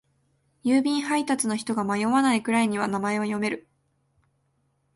郵便配達の人が迷わないくらいには名前は読める。